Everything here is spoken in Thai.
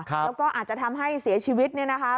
แล้วก็อาจจะทำให้เสียชีวิต